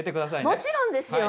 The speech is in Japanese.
もちろんですよ！